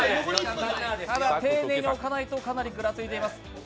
ただ丁寧に置かないとかなりぐらついています。